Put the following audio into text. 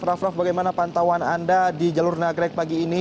raff raff bagaimana pantauan anda di jalur nagrek pagi ini